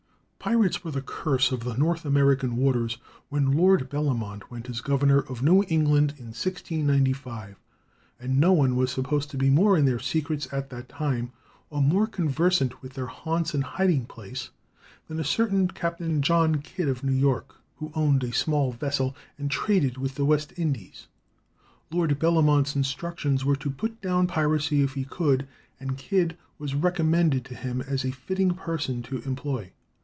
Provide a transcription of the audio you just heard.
Pirates were the curse of the North American waters when Lord Bellamont went as Governor of New England in 1695, and no one was supposed to be more in their secrets at that time, or more conversant with their haunts and hiding place, than a certain Captain John Kidd, of New York, who owned a small vessel, and traded with the West Indies. Lord Bellamont's instructions were to put down piracy if he could, and Kidd was recommended to him as a fitting person to employ.